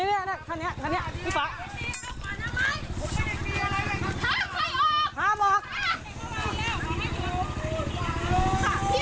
นะครับใครลูดไว้ใครไปไว้